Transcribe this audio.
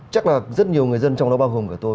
chắc là rất nhiều người dân trong đó bao gồm cả tôi